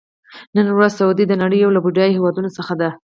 نن ورځ سعودي د نړۍ یو له بډایه هېوادونو څخه دی.